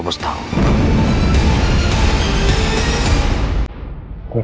lo tau ngapasih